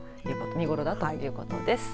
見頃だということです。